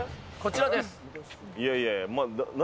いやいやいや、何？